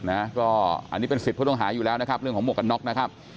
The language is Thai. อันนี้เป็นสิทธิ์ผู้ต้องหาอยู่แล้วนะครับเรื่องของหมวกกันน็อกนะครับ